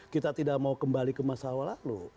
kita tidak mau kembali ke masa awal lalu